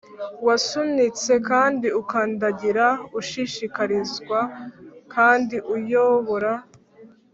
wasunitse kandi ukandagira: ushishikarizwa kandi uyobora,